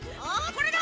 これだ！